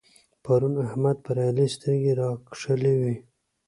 پرون احمد پر علي سترګې راکښلې وې.